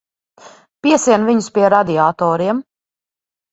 Piesien viņus pie radiatoriem.